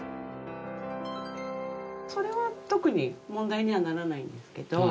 それは特に問題にはならないんですけど。